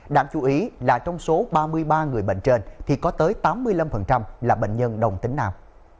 đáng chú ý là trong số ba mươi ba người bệnh trên thì có tới tám mươi năm là bệnh nhân đồng tính nam